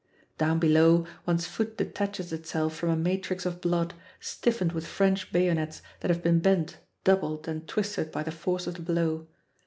Down below, one's foot detaches itself from a matrix of blood, stiffened with French bayonets that have been bent, doubled, and twisted by the force of the blow.